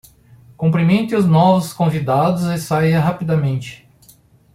Cumprimente os novos convidados e saia rapidamente.